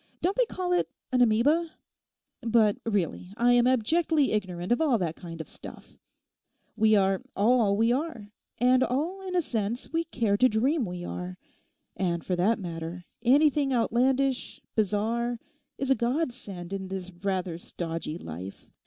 Don't they call it an amoeba? But really I am abjectly ignorant of all that kind of stuff. We are all we are, and all in a sense we care to dream we are. And for that matter, anything outlandish, bizarre, is a godsend in this rather stodgy life.